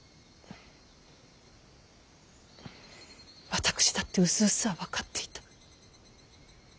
私だってうすうすは分かっていた。